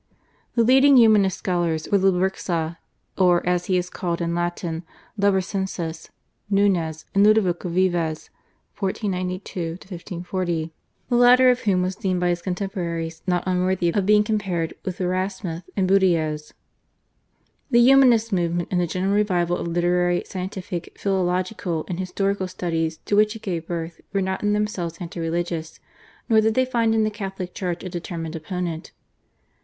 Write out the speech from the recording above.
The leading Humanist scholars were Lebrixa, or as he is called in Latin Lebrissensis, Nunez, and Ludovico Vives (1492 1540), the latter of whom was deemed by his contemporaries not unworthy of being compared with Erasmus and Budaeus. The Humanist movement and the general revival of literary, scientific, philological and historical studies to which it gave birth were not in themselves anti religious, nor did they find in the Catholic Church a determined opponent.